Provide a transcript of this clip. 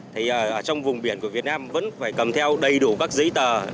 thì ở trong vùng biển của việt nam vẫn phải cầm theo đầy đủ các giấy tờ